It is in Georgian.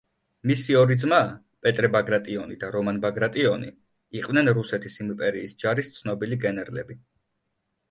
მისი ორი ძმა პეტრე ბაგრატიონი და რომან ბაგრატიონი იყვნენ რუსეთის იმპერიის ჯარის ცნობილი გენერლები.